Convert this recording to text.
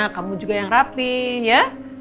kamu juga yang rapih ya